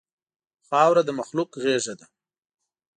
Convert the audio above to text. خاوره د مخلوق غېږه ده.